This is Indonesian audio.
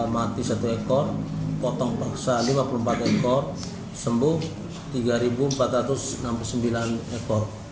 mati satu ekor potong paksa lima puluh empat ekor sembuh tiga empat ratus enam puluh sembilan ekor